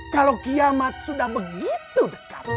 kalau kiamat sudah begitu dekat